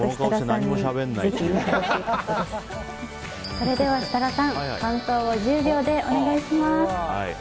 それでは設楽さん感想を１０秒でお願いします。